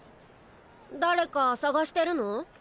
誰か捜してるの？